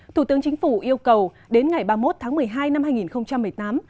thủ tướng chính phủ yêu cầu đến ngày ba mươi một tháng một mươi hai năm hai nghìn một mươi tám